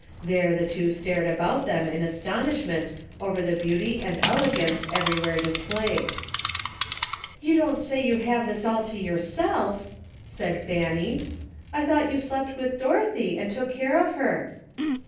There the two stared about them in astonishment over the beauty and elegance everywhere displayed. ''You don't say you have this all to your self !" said Fanny. "I thought you slept with Dorothy and took care of her."